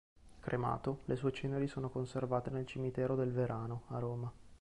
Cremato, le sue ceneri sono conservate nel cimitero del Verano a Roma.